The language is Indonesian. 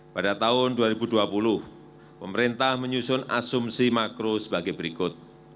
pada tahun dua ribu dua puluh pemerintah menyusun asumsi makro sebagai berikut